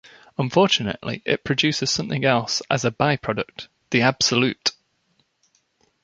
Unfortunately, it produces something else as a by-product, the "absolute".